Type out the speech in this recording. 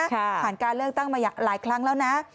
ผ่านการเลือกตั้งมาหลายครั้งแล้วนะ